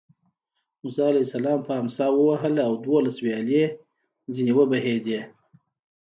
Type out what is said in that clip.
موسی علیه السلام په امسا ووهله او دولس ویالې ترې وبهېدې.